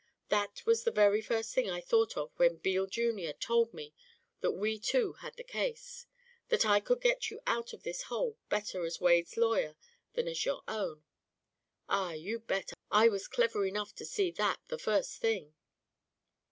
That was the very first thing I thought of when Beale Jr. told me that we two had the case that I could get you out of this hole better as Wade's lawyer than as your own. Ah, you bet, I was clever enough to see that the first thing."